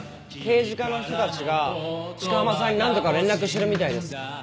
刑事課の人たちが鹿浜さんに何度か連絡してるみたいです。